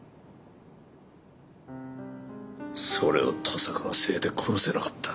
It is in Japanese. それを登坂のせいで殺せなかった。